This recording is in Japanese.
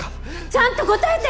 ちゃんと答えて！